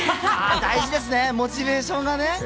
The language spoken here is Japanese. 大事ですね、モチベーションがね。